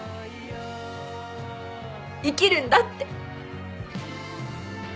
生きるんだって。